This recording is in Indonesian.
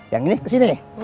yang ini kesini